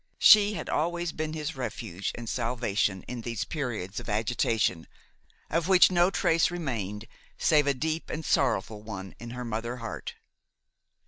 She had always been his refuge and salvation in these periods of agitation, of which no trace remained save a deep and sorrowful one in her mother heart.